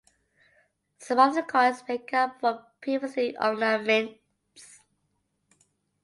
Some of the coins may come from previously unknown mints.